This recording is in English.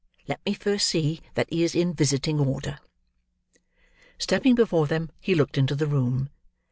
Let me first see that he is in visiting order." Stepping before them, he looked into the room.